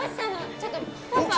ちょっとパパ